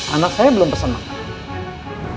anak saya belum pesan makan